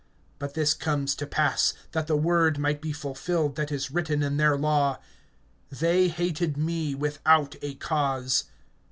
(25)But this comes to pass, that the word might be fulfilled that is written in their law: They hated me without a cause.